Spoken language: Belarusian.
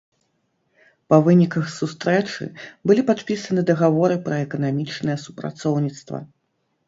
Па выніках сустрэчы былі падпісаны дагаворы пра эканамічнае супрацоўніцтва.